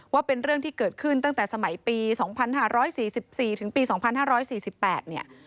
ว่าเป็นเรื่องที่เกิดขึ้นตั้งแต่สมัยปี๒๕๔๔๒๕๔๘